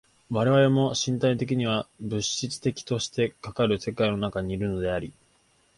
我々も身体的には物質的としてかかる世界の中にいるのであり、